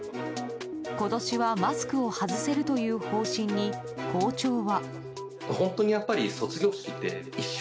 今年はマスクを外せるという方針に校長は。